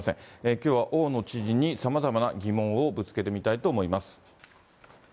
きょうは大野知事にさまざまな疑問をぶつけてみたいと思います。